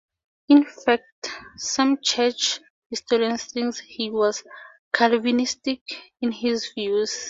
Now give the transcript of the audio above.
In fact, some church historians think he was Calvinistic in his views.